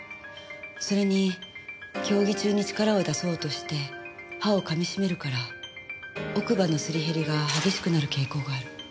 それに競技中に力を出そうとして歯を噛みしめるから奥歯のすり減りが激しくなる傾向がある。